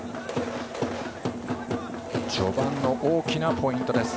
序盤の大きなポイントです。